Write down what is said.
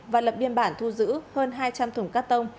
và lập biên bản thu giữ hơn hai trăm linh thùng cát tông